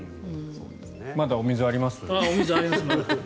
まだ水あります。